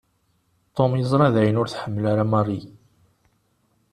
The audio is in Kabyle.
Tom yeẓra dayen ur t-tḥemmel ara Marie.